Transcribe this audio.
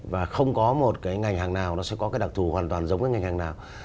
và không có một cái ngành hàng nào nó sẽ có cái đặc thù hoàn toàn giống cái ngành hàng nào